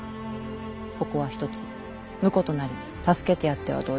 ここはひとつ婿となり助けてやってはどうじゃ。